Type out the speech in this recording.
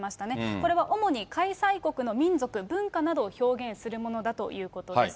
これは主に開催国の民族、文化などを表現するものだということです。